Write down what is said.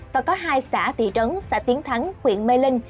và có hai xã tỷ trấn xã tiến thắng huyện mê linh